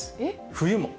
冬も。